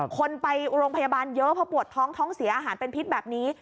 คนไปโรงพยาบาลเยอะเพราะปวดท้องท้องเสียอาหารเป็นพิษแบบนี้